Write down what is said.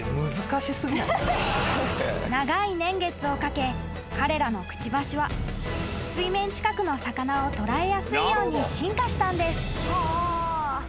［長い年月をかけ彼らのくちばしは水面近くの魚を捕らえやすいように進化したんです］